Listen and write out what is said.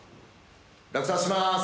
落札します。